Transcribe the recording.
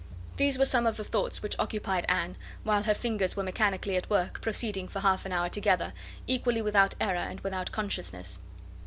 These were some of the thoughts which occupied Anne, while her fingers were mechanically at work, proceeding for half an hour together, equally without error, and without consciousness.